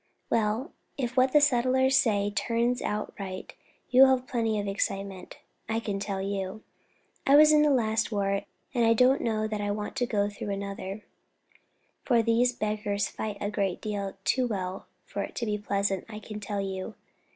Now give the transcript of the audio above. "Well, if what the settlers say turns out right, you will have plenty of excitement, I can tell you. I was in the last war, and I don't know that I want to go through another, for these beggars fight a great deal too well for it to be pleasant, I can tell you.